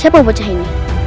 siapa bocah ini